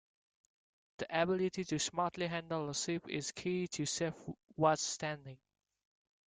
The ability to smartly handle a ship is key to safe watchstanding.